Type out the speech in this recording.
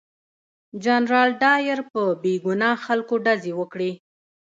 جنرال ډایر په بې ګناه خلکو ډزې وکړې.